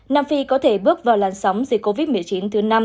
nam phi có thể bước vào làn sóng dịch covid một mươi chín thứ năm